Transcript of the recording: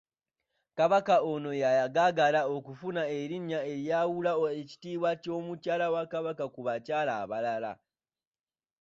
Kabaka ono yagagala okufuna erinnya eryawula ekitiibwa kya mukyala wa Kabaka ku bakyala abalala.